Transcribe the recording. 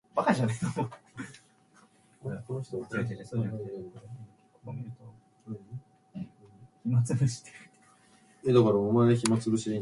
It is lighter, racier, and more elegant in appearance than the other retriever breeds.